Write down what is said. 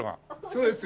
そうです。